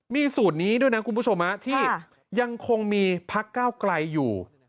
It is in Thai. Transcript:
มีสูตรนี้ด้วยนะคุณผู้ชมที่ยังคงมีพักก้าวไกลอยู่